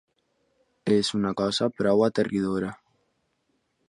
És una cosa prou aterridora.